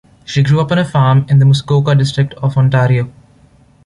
She grew up on a farm in the Muskoka District of Ontario.